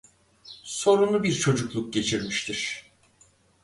Sorunlu bir çocukluk geçirmiştir.